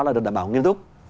là được đảm bảo nghiên cức